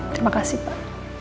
terima kasih pak